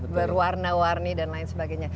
berwarna warni dan lain sebagainya